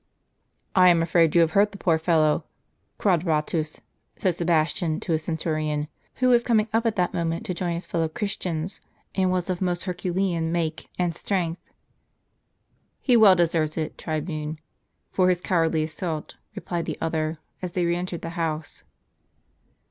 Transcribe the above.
" I am afraid you have hurt the poor fellow, Quadratus," said Sebastian to his centurion, who was coming up at that moment to join his fetlow Christians, and was of most Hercu lean nuike and strength. "He well deserves it, tribune, for his cowardly assault," replied the other, as they re entered the house.